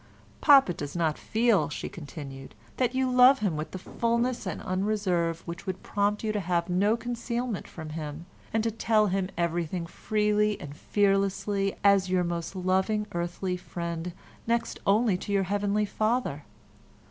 "Papa does not feel," she continued, "that you love him with that fulness and unreserve which would prompt you to have no concealment from him, and to tell him everything freely and fearlessly as your most loving earthly friend next only to your Heavenly Father.